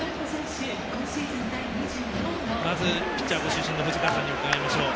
まず、ピッチャーご出身の藤川さんに伺いましょう。